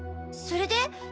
それで？